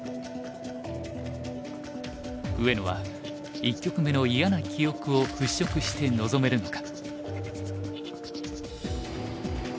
上野は一局目の嫌な記憶を払拭して臨めるのか。